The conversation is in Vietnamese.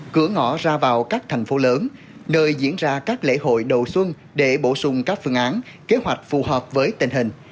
cửa ngõ ra vào các thành phố lớn nơi diễn ra các lễ hội đầu xuân để bổ sung các phương án kế hoạch phù hợp với tình hình